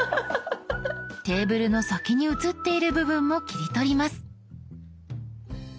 テーブルの先に写っている部分も切り取ります。